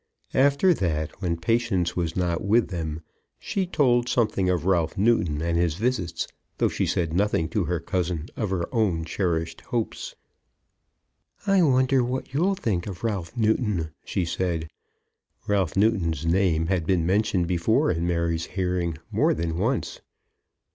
After that, when Patience was not with them, she told something of Ralph Newton and his visits, though she said nothing to her cousin of her own cherished hopes. "I wonder what you'll think of Ralph Newton?" she said. Ralph Newton's name had been mentioned before in Mary's hearing more than once.